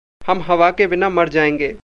हम हवा के बिना मर जाएँगे।